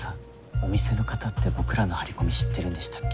お店の方って僕らの張り込み知ってるんでしたっけ？